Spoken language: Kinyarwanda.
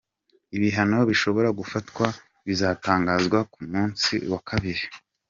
Ibihano bishobora gufatwa bizotangazwa ku munsi wa kabiri.